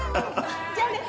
じゃあね。